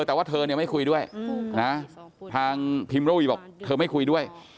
แต่ว่าเธอเนี่ยไม่คุยด้วยนะทางพิมระวีบอกเธอไม่คุยด้วย